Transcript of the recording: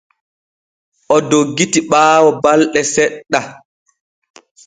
O doggiti ɓaawo balɗe seɗɗa.